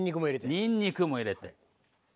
にんにくも入れて。